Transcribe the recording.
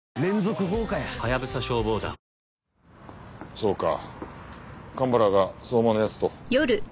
そうか蒲原が相馬の奴と。